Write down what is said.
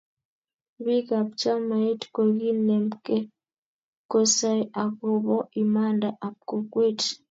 Biik ab chamait kokinemke kosai akobo imanda ab kokwet